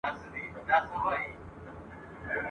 زه او آس یو د یوه غوجل چارپایه !.